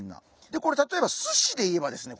でこれ例えばすしで言えばですね